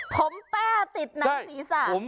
ผมแป้ติดน้ำสีสาเหล่าง